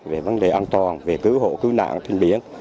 về vấn đề an toàn về cứu hộ cứu nạn trên biển